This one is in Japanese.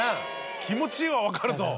気持ちいいわ分かると。